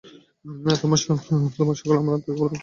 তোমরা সকলে আমার আন্তরিক ভালবাসা ও আশীর্বাদ জানবে।